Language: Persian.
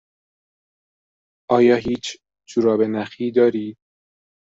آیا هیچ جوراب نخی دارید؟